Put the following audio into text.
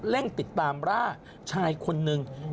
เพื่อไปตามล่าชายคนนึง